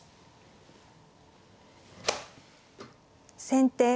先手